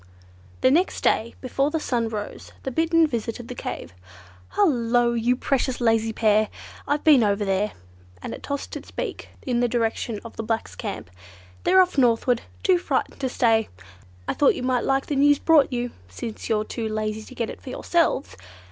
The next day, before the sun rose, the Bittern visited the cave. "Hullo, you precious lazy pair! I've been over there," and it tossed its beak in the direction of the blacks' camp. "They're off northward. Too frightened to stay. I thought you might like the news brought you, since you're too lazy to get it for yourselves!"